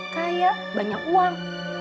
kayak banyak uang